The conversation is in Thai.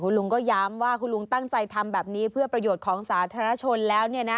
ลุงก็ย้ำว่าคุณลุงตั้งใจทำแบบนี้เพื่อประโยชน์ของสาธารณชนแล้ว